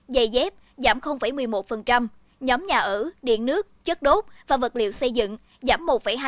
dày dép giảm một mươi một nhóm nhà ở điện nước chất đốt và vật liệu xây dựng giảm một hai mươi hai